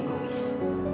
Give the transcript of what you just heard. juga aku sering egois